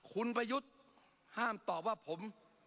คุณประยุทธ์ห้ามตอบว่าผม